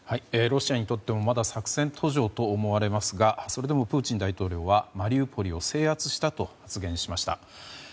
ロシアにとってもまだ作戦途上と思われますがそれでもプーチン大統領はマリウポリを制圧したと発言しました。